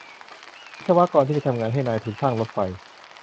วิศวกรที่ไปทำงานให้นายทุนสร้างรถไฟ